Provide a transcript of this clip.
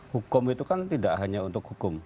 hukum itu kan tidak hanya untuk hukum